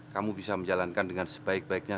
kamu bisa menjalankan dengan sebaik baiknya